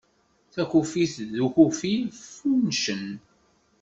Takufit d ukufi ffuncen.